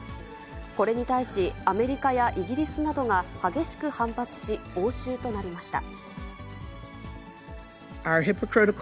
これに対し、アメリカやイギリスなどが激しく反発し、応酬となりました。